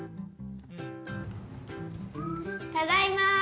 ◆ただいま。